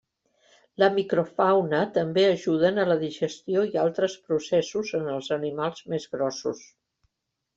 La microfauna també ajuden a la digestió i altres processos en els animals més grossos.